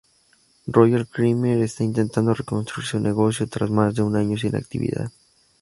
Royal Khmer está intentando reconstruir su negocio tras más de un año sin actividad.